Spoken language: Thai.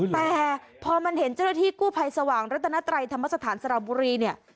แต่พอมันเห็นเจ้าหน้าที่กู้ภัยสว่างรัตนไตรธรรมสถานสระบุรีเนี่ย